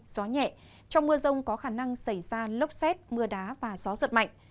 gió nhẹ trong mưa rông có khả năng xảy ra lốc xét mưa đá và gió giật mạnh